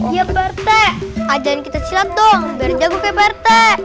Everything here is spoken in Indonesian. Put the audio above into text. iya pak rt ajarin kita silet dong biar jago kayak pak rt